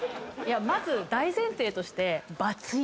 まず大前提として。